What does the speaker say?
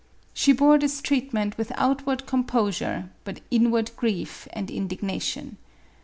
She bore this treatment with outward composure but inward grief and indignation.